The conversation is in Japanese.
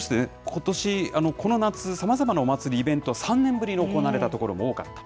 ことし、この夏、さまざまなお祭り、イベント、３年ぶりに行われた所も多かった。